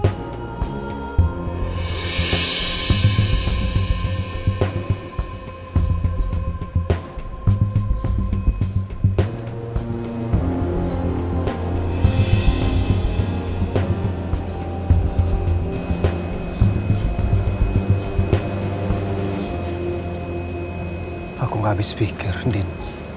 aku gak habis pikir din